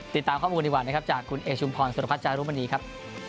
ติดตามข้อมูลดีกว่านะครับจากคุณเอชุมพรสุรพัฒจารุมณีครับ